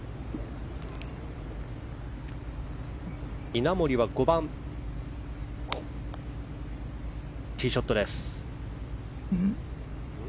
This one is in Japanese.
稲森は５番ティーショットです。